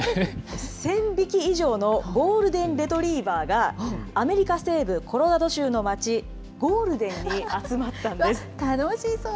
１０００匹以上のゴールデンレトリーバーが、アメリカ西部コロラド州の街、ゴールデンに集まったんです。